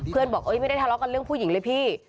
บอกไม่ได้ทะเลาะกันเรื่องผู้หญิงเลยพี่